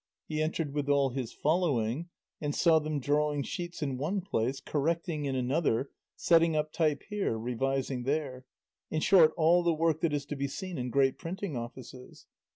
He entered with all his following, and saw them drawing sheets in one place, correcting in another, setting up type here, revising there; in short all the work that is to be seen in great printing offices.